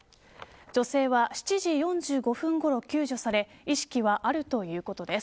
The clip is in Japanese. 女性は７時４５分ごろ救助され意識はあるということです。